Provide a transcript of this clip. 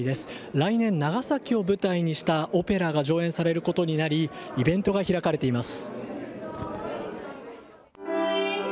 来年、長崎を舞台にしたオペラが上演されることになりイベントが開かれています。